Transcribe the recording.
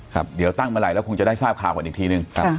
ครับเดี๋ยวตั้งเมื่อไหร่แล้วคงจะได้ทราบข่าวก่อนอีกทีนึง